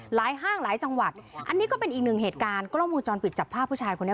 ห้างหลายจังหวัดอันนี้ก็เป็นอีกหนึ่งเหตุการณ์กล้องวงจรปิดจับภาพผู้ชายคนนี้